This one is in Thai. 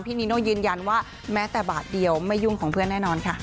นีโน่ยืนยันว่าแม้แต่บาทเดียวไม่ยุ่งของเพื่อนแน่นอนค่ะ